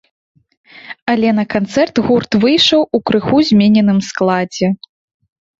Але на канцэрт гурт выйшаў у крыху змененым складзе.